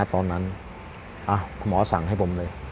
ตอนนั้นคุณหมอสั่งให้ผมเลย